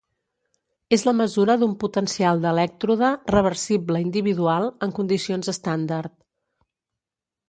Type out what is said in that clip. És la mesura d'un potencial d'elèctrode reversible individual, en condicions estàndard.